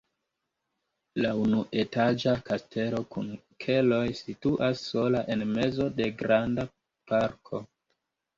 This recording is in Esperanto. La unuetaĝa kastelo kun keloj situas sola en mezo de granda parko.